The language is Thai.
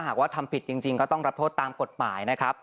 หากว่าทำผิดจริงก็ต้องรับโทษตามกฎหมายนะครับ